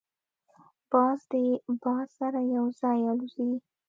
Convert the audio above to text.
باز د باد سره یو ځای الوزي